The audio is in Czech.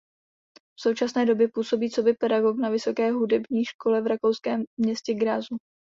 V současné době působí coby pedagog na Vysoké hudební škole v rakouském městě Grazu.